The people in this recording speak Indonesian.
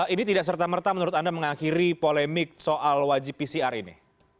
ini tidak serta merta menurut anda mengakhiri polemik soal wajib pcr ini